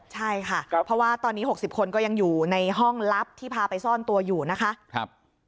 ใช่ค่ะเพราะว่าตอนนี้๖๐คนก็ยังอยู่ในห้องลับที่พาไปซ่อนตัวอยู่นะคะ